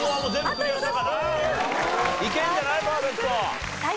いけるんじゃない？